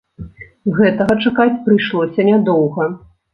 Гэтага чакаць прыйшлося нядоўга.